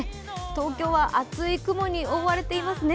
東京は暑い雲に覆われていますね